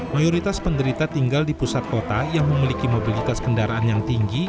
mayoritas penderita tinggal di pusat kota yang memiliki mobilitas kendaraan yang tinggi